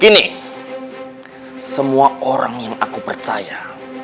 gini semua orang yang aku percaya